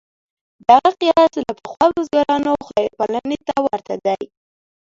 دغه قیاس له پخوا بزګرانو خدای پالنې ته ورته دی.